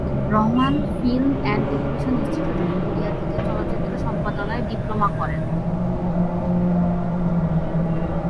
Rahman film and television institute of India থেকে চলচ্চিত্র সম্পাদনায় ডিপ্লোমা করেন।